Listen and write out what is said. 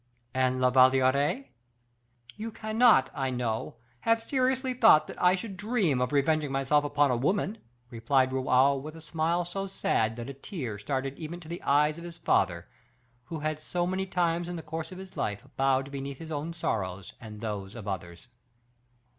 "And La Valliere?" "You cannot, I know, have seriously thought that I should dream of revenging myself upon a woman!" replied Raoul, with a smile so sad that a tear started even to the eyes of his father, who had so many times in the course of his life bowed beneath his own sorrows and those of others.